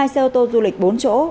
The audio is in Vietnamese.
hai xe ô tô du lịch bốn chỗ